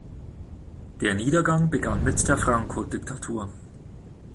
Der Niedergang begann mit der Francodiktatur.